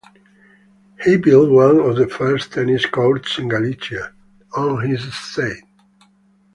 He built one of the first tennis courts in Galicia on his estate.